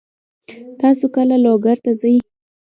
تاسو کله لوګر ته ځئ؟